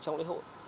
trong lễ hội